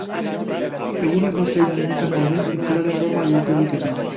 Eguneko zein unetan gauden, itzalaren forma aldatu egiten da.